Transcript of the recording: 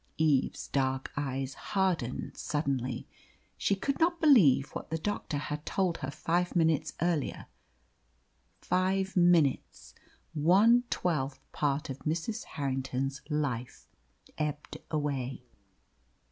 Eve's dark eyes hardened suddenly. She could not believe what the doctor had told her five minutes earlier. Five minutes one twelfth part of Mrs. Harrington's life ebbed away.